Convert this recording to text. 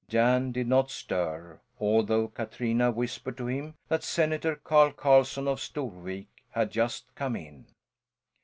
Jan did not stir, although Katrina whispered to him that Senator Carl Carlson of Storvik had just come in.